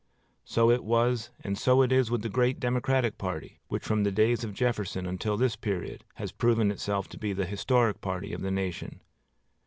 So it was and so it is with the great Democratic party, which from the days of Jefferson until this period has proven itself to be the historic party of this nation.